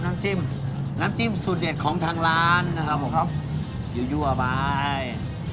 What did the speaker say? น้ำจิ้มน้ำจิ้มสูตรเด็ดของทางร้านนะครับผมครับอยู่ยั่วใบ